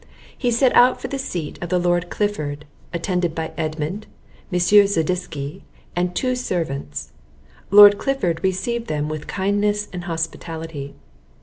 He set out for the seat of the Lord Clifford, attended by Edmund, M. Zadisky, and two servants. Lord Clifford received them with kindness and hospitality.